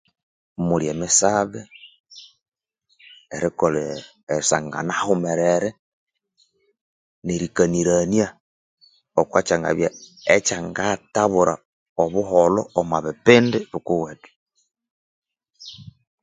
Mulyemisabe erokolha eresangasanganyahawumarere nerikaniranya okyachangathabura obulholo omwabipindi bikowethu